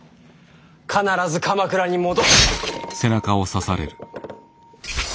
必ず鎌倉に戻。